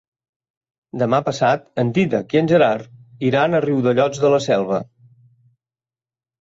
Demà passat en Dídac i en Gerard iran a Riudellots de la Selva.